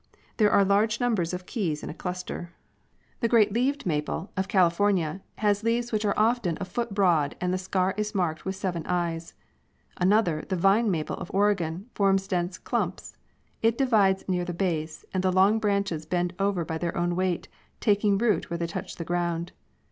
There are large numbers of keys in a cluster (Fig. 9). 104 The great leaved maple, of California, has leaves which are often a foot broad and the scar is marked with seven eyes. Another, the vine maple of Ore gon, forms dense clumps. It divides near the base and the long branches bend over by their own weight, taking root where they touch the ground.